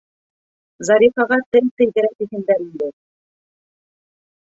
Зарифаға тел тейҙерә тиһендер инде?